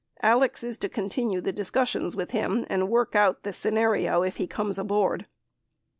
Alex is to continue the discussions with him and work out the scenario if he comes aboard.